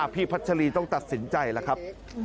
พัชรีต้องตัดสินใจแล้วครับ